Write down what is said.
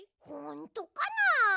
ほんとかな？